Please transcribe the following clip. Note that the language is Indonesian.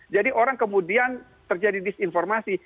jadi orang kemudian terjadi disinformasi